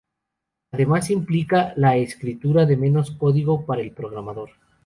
Además implica la escritura de menos código para el programador.